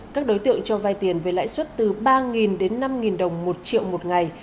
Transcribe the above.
các đối tượng cho vai tiền với lãi suất từ ba đến năm đồng một triệu một ngày